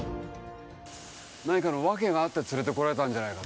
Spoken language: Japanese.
何かの訳があって連れて来られたんじゃないか。